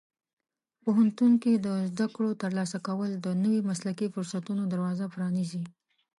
پوهنتون کې د زده کړو ترلاسه کول د نوي مسلکي فرصتونو دروازه پرانیزي.